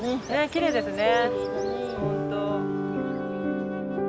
きれいですね。